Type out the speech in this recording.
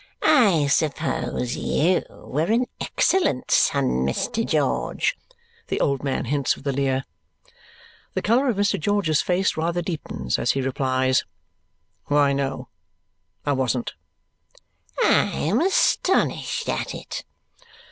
"I suppose you were an excellent son, Mr. George?" the old man hints with a leer. The colour of Mr. George's face rather deepens as he replies, "Why no. I wasn't." "I am astonished at it."